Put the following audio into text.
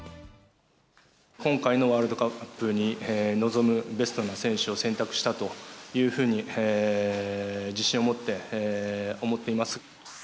今回のワールドカップに臨むベストな選手を選択したというふうに、自信を持って思っています。